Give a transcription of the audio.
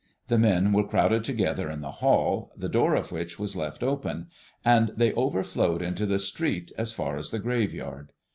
The men were crowded together in the hall, the door of which was left open, and they overflowed into the street as far as the graveyard.